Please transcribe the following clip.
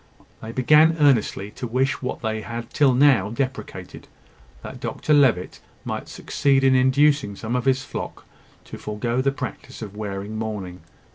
They began earnestly to wish what they had till now deprecated that Dr Levitt might succeed in inducing some of his flock to forego the practice of wearing mourning.